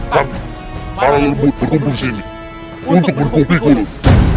kan para lembut berkumpul sini untuk berkumpul pikulun